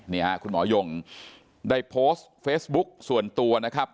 นี่ฮะคุณหมอยงได้โพสต์เฟซบุ๊กส่วนตัวนะครับ